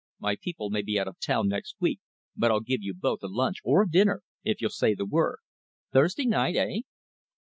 My people may be out of town next week, but I'll give you both a lunch or a dinner, if you'll say the word. Thursday night, eh?"